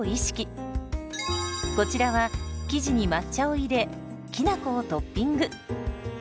こちらは生地に抹茶を入れきなこをトッピング。